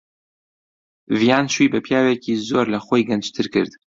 ڤیان شووی بە پیاوێکی زۆر لە خۆی گەنجتر کرد.